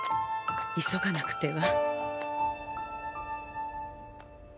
急がなくては。